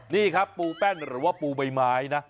นี่ครับปูแป้นหรือว่าปูใบไม้นะ